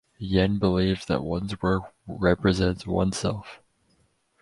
Yen believes that one’s work represents oneself.